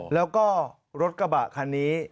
แล้วก็รถกระบะคันนี้